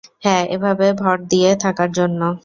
হ্যাঁ, এভাবে ভর দিয়ে থাকার জন্য।